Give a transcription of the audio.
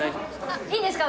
いいんですか？